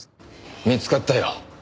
見つかったよ